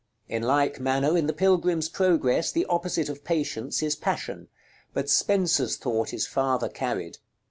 In like manner, in the "Pilgrim's Progress," the opposite of Patience is Passion; but Spenser's thought is farther carried.